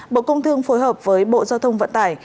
bộ công thương phối hợp với bộ giao thông vận tải